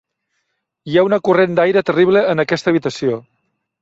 Hi ha una corrent d'aire terrible en aquesta habitació